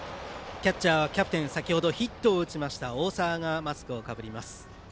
キャッチャーはキャプテン先ほどヒットを打ちました大澤がマスクをかぶります。